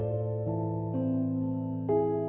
eka di luar pandang